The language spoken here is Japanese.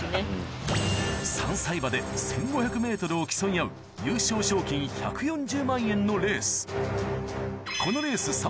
３歳馬で１５００ｍを競い合う優勝賞金１４０万円のレース